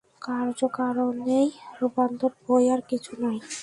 কার্য কারণের রূপান্তর বৈ আর কিছুই নয়।